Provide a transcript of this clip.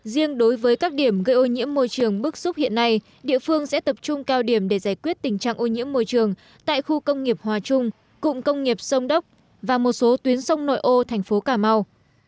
riêng đối với các điểm gây ô nhiễm môi trường bức xúc hiện nay địa phương sẽ tập trung cao điểm để giải quyết tình trạng ô nhiễm môi trường tại khu công nghiệp hòa trung cụng công nghiệp sông đốc và một số tuyến sông nội ô thành phố cà mau